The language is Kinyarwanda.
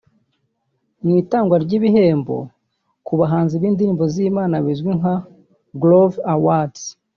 Mu itangwa ry’ibihembo ku bahanzi b’indirimbo z’Imana bizwi nka Groove Awards